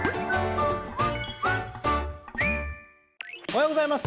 おはようございます。